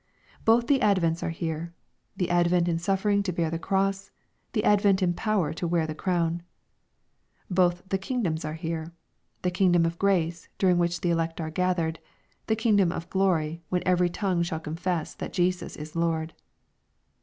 Both the advents are here, — the advent in suffering to bear the cross, — the advent in power to wear the crown. Both the kingdoms are here, — the kingdom of grace, during which the elect are gathered, ■— the kingdom of glory, when every tongue shall con fess that Jesus is Lord.